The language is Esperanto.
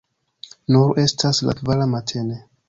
Nur estas la kvara matene.